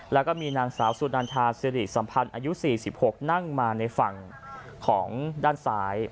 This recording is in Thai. แล้วก็มีนางสาวสุนันทาสิริสัมพันธ์อายุ๔๖นั่งมาในฝั่งของด้านซ้าย